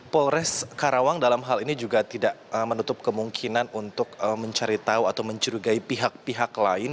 polres karawang dalam hal ini juga tidak menutup kemungkinan untuk mencari tahu atau mencurigai pihak pihak lain